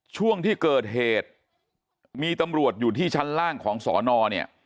ช่วงที่เกิดเหตุมีตำรวจอยู่ที่ชั้นล่างของสอนอเนี่ย